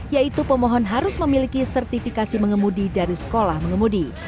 yaitu pemohon harus memiliki sertifikasi mengemudi dari sekolah mengemudi